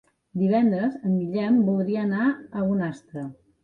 Divendres en Guillem voldria anar a Bonastre.